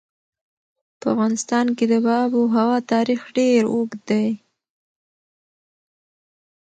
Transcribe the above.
په افغانستان کې د آب وهوا تاریخ ډېر اوږد دی.